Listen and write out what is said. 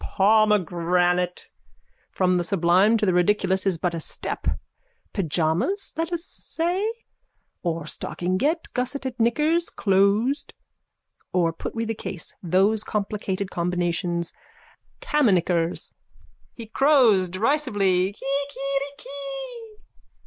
Pomegranate! From the sublime to the ridiculous is but a step. Pyjamas, let us say? Or stockingette gussetted knickers, closed? Or, put we the case, those complicated combinations, camiknickers? _(He crows derisively.)